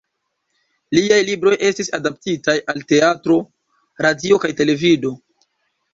Liaj libroj estis adaptitaj al teatro, radio kaj televido.